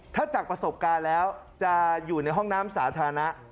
ถ้าจากประสบการณ์แล้วจะอยู่ในห้องน้ำสาธารณะ